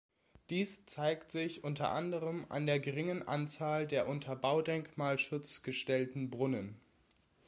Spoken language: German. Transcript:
Dies zeigt sich unter anderem an der geringen Anzahl der unter Baudenkmal-Schutz gestellten Brunnen.